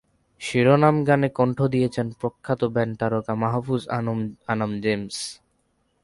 শিরোনাম গানে কণ্ঠ দিয়েছেন প্রখ্যাত ব্যান্ড তারকা মাহফুজ আনাম জেমস।